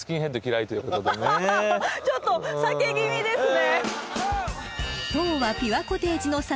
ちょっと避け気味ですね。